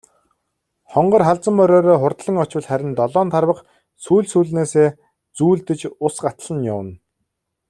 Хонгор халзан мориороо хурдлан очвол харин долоон тарвага сүүл сүүлнээсээ зүүлдэж ус гатлан явна.